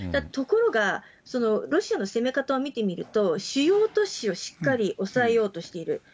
ところがロシアの攻め方を見てみると、主要都市をしっかり押さえようとしている。